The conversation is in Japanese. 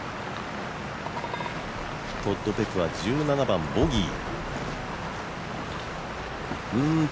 トッド・ペクは１７番ボギー。